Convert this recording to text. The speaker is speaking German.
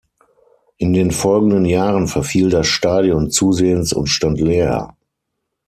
In den folgenden Jahren verfiel das Stadion zusehends und stand leer.